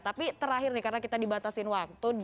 tapi terakhir nih karena kita dibatasin waktu